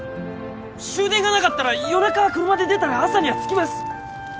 終電がなかったら夜中車で出たら朝には着きます！